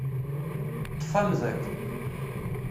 Ṭṭef amḍiq.